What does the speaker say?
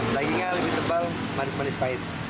dagingnya lebih tebal manis manis pahit